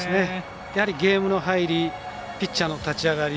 ゲームの入りピッチャーの立ち上がり